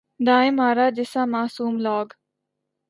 دائیں مارا جسا معصوم لاگ